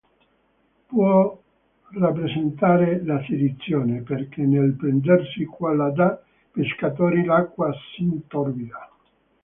Può rappresentare la "sedizione", perché "nel prendersi quella da’ pescatori, l’acqua s’intorbida".